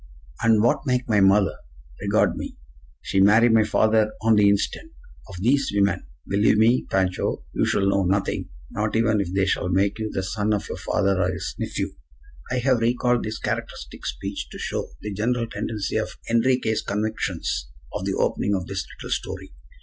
And what make my mother? Regard me! She marry my father on the instant! Of thees women, believe me, Pancho, you shall know nothing. Not even if they shall make you the son of your father or his nephew." I have recalled this characteristic speech to show the general tendency of Enriquez' convictions at the opening of this little story.